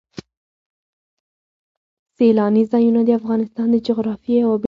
سیلاني ځایونه د افغانستان د جغرافیې یوه بېلګه ده.